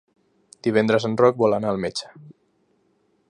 Divendres en Roc vol anar al metge.